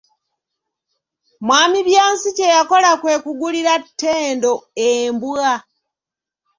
Mwami Byansi kye yakola kwe kugulira Ttendo embwa.